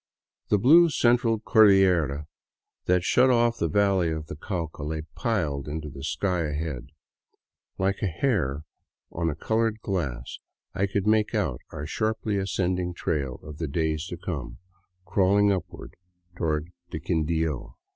The blue Central Cordillera that shut off the valley of the Cauca lay piled into the sky ahead. Like a hair on a colored glass, I could make out our sharply ascending trail of the days to come crawling upward toward the Quindio.